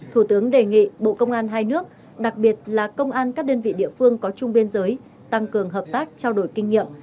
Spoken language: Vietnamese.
thủ tướng đề nghị bộ công an hai nước đặc biệt là công an các đơn vị địa phương có chung biên giới tăng cường hợp tác trao đổi kinh nghiệm